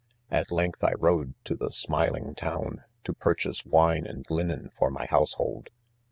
At length 1 rode to the smiling town, to. purchase wine and linen for my household.